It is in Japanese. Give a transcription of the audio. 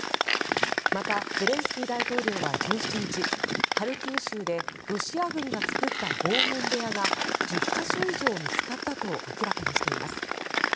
またゼレンスキー大統領は１７日ハルキウ州でロシア軍が作った拷問部屋が１０か所以上見つかったと明らかにしています。